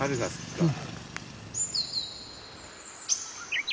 うん。